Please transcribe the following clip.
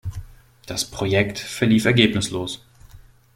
Das Projekt verlief ergebnislos.